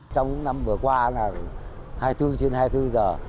trong năm vừa qua hai mươi bốn trên hai mươi bốn giờ